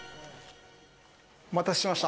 お待たせしました。